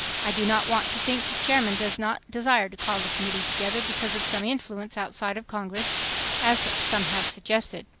." "I do not want to think the chairman does not desire to call the committee together because of some influence outside of Congress as some have suggested